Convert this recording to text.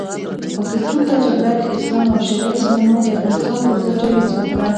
پاکستان دا جګړه د اسلام او شریعت په نامه د افغانستان پرضد جاري وساتله.